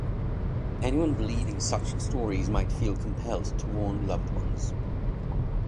Anyone believing such stories might feel compelled to warn loved ones.